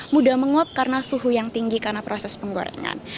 mudah menguap karena suhu yang tinggi karena proses penggorengan